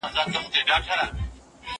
جواب ورکول د زده کوونکي له خوا کېږي